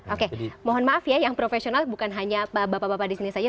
oke mohon maaf ya yang profesional bukan hanya bapak bapak di sini saja